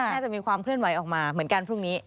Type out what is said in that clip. น่าจะมีความเคลื่อนไหวออกมาเหมือนกันพรุ่งนี้